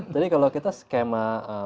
jadi kalau kita skema